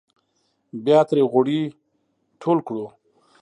بیا ترې غوړي ټول کړو.